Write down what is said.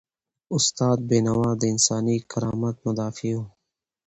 استاد بینوا د انساني کرامت مدافع و.